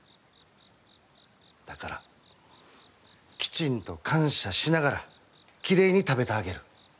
だから、きちんと感謝しながらきれいに食べてあげる。